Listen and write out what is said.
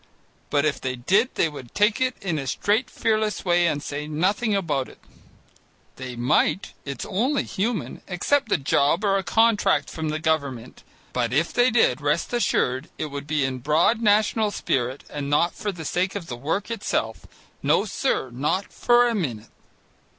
but if they did they would take it in a straight fearless way and say nothing about it. They might, it's only human, accept a job or a contract from the government, but if they did, rest assured it would be in a broad national spirit and not for the sake of the work itself. No, sir. Not for a minute.